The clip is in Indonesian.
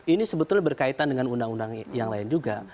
ini sebetulnya berkaitan dengan undang undang yang lain juga